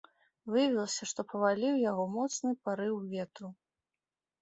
Выявілася, што паваліў яго моцны парыў ветру.